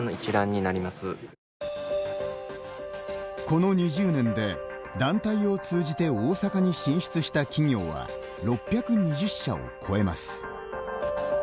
この２０年で、団体を通じて大阪に進出した企業は６２０社を超えます。